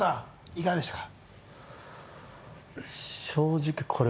いかがでしたか？